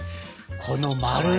この丸ね。